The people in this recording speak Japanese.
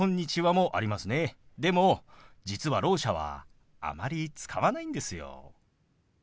でも実はろう者はあまり使わないんですよ。